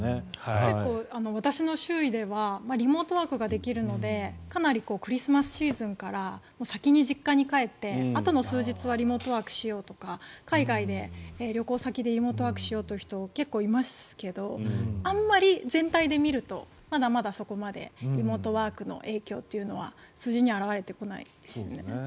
結構、私の周囲ではリモートワークができるのでかなりクリスマスシーズンから先に実家に帰ってあとの数日はリモートワークしようとか海外で、旅行先でリモートワークしようという人結構いますけどあまり全体で見るとまだまだ、そこまでリモートワークの影響というのは数字には表れてこないんですね。